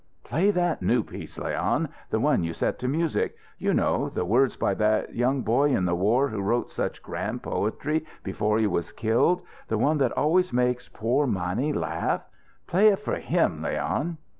"Play that new piece, Leon, the one you set to music. You know. The words by that young boy in the war who wrote such grand poetry before he was killed. The one that always makes poor Mannie laugh. Play it for him, Leon."